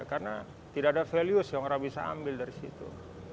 karena tidak ada values yang orang bisa ambil dari situ